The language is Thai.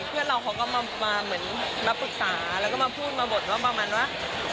เพื่อนเราเขาก็มาปรึกษาแล้วก็มาพูดมาบดว่า